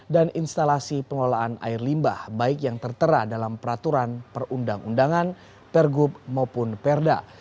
dan instalasi pengelolaan air limbah baik yang tertera dalam peraturan perundang undangan pergub maupun perda